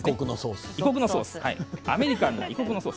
異国のソース。